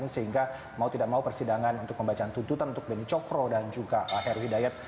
sehingga mau tidak mau persidangan untuk pembacaan tuntutan untuk beni cokro dan juga heru hidayat